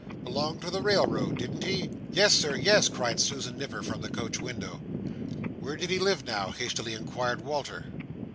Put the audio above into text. Belonged to the Railroad, didn't he? "Yes sir, yes!" cried Susan Nipper from the coach window. Where did he live now? hastily inquired Walter.